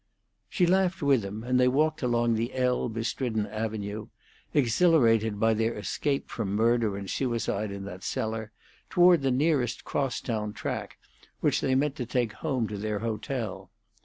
She laughed with him, and they walked along the L bestridden avenue, exhilarated by their escape from murder and suicide in that cellar, toward the nearest cross town track, which they meant to take home to their hotel.